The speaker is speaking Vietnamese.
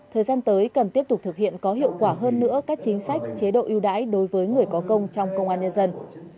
thời gian tới cần tiếp tục thực hiện có hiệu quả hơn nữa các chính sách chế độ ưu đãi đối với người có công trong công an nhân dân